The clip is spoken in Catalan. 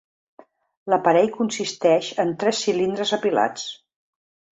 L'aparell consisteix en tres cilindres apilats.